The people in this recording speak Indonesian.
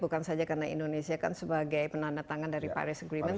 bukan saja karena indonesia kan sebagai penanda tangan dari paris agreement